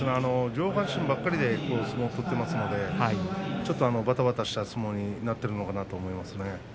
上半身ばかりで相撲を取っていますのでちょっとばたばたした相撲になっているのかなと思いますね。